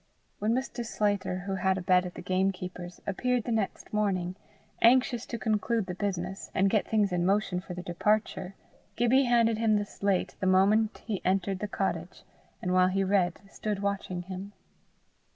When Mr. Sclater, who had a bed at the gamekeeper's, appeared the next morning, anxious to conclude the business, and get things in motion for their departure, Gibbie handed him the slate the moment he entered the cottage, and while he read, stood watching him.